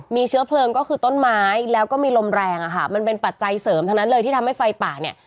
มีเชื้อเพลิงก็คือต้นไม้แล้วก็มีลมแรงอะค่ะมันเป็นปัจจัยเสริมทั้งนั้นเลยที่ทำให้ไฟป่าเนี่ย